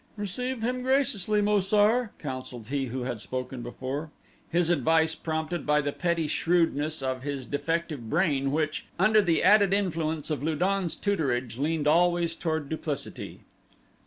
"Receive him graciously, Mo sar," counseled he who had spoken before, his advice prompted by the petty shrewdness of his defective brain which, under the added influence of Lu don's tutorage leaned always toward duplicity.